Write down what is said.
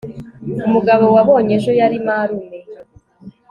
umugabo wabonye ejo yari marume